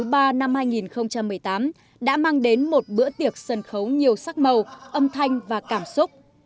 liên hoan sân khấu thủ đô lần thứ ba năm hai nghìn một mươi tám đã mang đến một bữa tiệc sân khấu nhiều sắc màu âm thanh và cảm xúc